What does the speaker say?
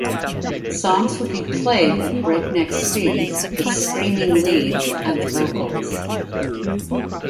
Songs would be played at breakneck speeds, with screaming leads and vocals.